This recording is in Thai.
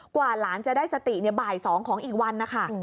กว่าหลานจะได้สติในบ่าย๒ของอีกวันนะคะ